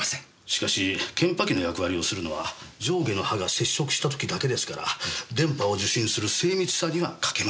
しかし検波器の役割をするのは上下の歯が接触した時だけですから電波を受信する精密さには欠けます。